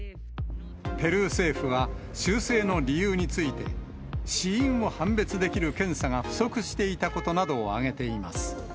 ペルー政府は、修正の理由について、死因を判別できる検査が不足していたことなどを挙げています。